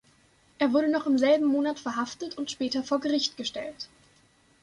Er wurde noch im selben Monat verhaftet und später vor Gericht gestellt.